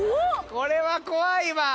これは怖いわ！